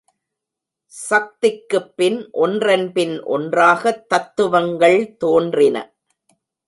சக்திக்குப் பின் ஒன்றன்பின் ஒன்றாகத் தத்துவங்கள் தோன்றின.